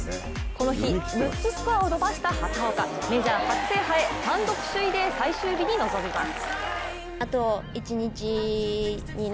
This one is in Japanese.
この日、６つスコアを伸ばした畑岡、メジャー初制覇へ単独首位で最終日に臨みます。